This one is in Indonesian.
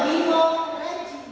kkp petugasnya sudah siap di sana